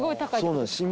そうなんです。